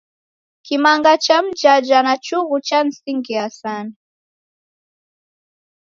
Kimanga cha mjaja na chughu chanisingiaa sana.